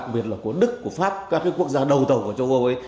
cái nền công nghệ của đức của pháp các cái quốc gia đầu tầu của châu âu ấy